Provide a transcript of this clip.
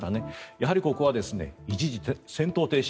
やはりここは一時戦闘停止